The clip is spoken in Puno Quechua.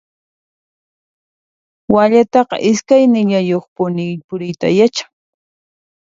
Wallataqa iskaynillayuqpuni puriyta yachan.